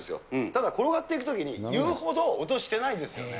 ただ、転がっていくときに言うほど音してないんですよね。